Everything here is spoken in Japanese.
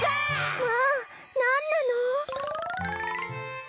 まあなんなの？